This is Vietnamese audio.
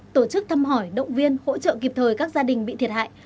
tổ chức thăm hỏi động viên hỗ trợ kịp thời các gia đình bị thiệt hại